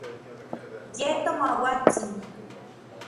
Ye tomauatsin.